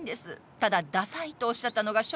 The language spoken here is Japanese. ただダサいとおっしゃったのがショックで。